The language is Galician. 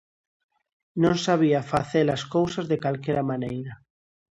Non sabía face-las cousas de calquera maneira.